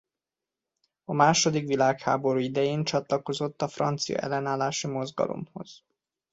A második világháború idején csatlakozott a francia ellenállási mozgalomhoz.